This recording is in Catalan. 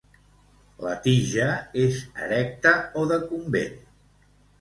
La tija és erecta o decumbent.